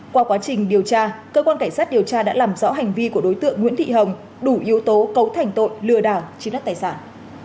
qua quá trình điều tra cơ quan cảnh sát điều tra đã làm rõ hành vi của đối tượng nguyễn thị hồng đủ yếu tố cấu thành tội lừa đảo chiếm đất tài sản